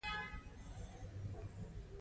ایا زه پیسې راوړم؟